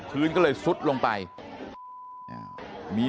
พื้นก็เลยซุดลงไปมี